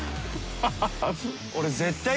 ハハハ